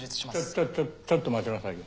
ちょちょちょっと待ちなさいよ。